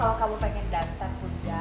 alex kalo kamu pengen datang punca